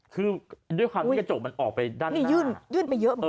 คือด้วยความที่กระจกมันออกไปด้านหน้า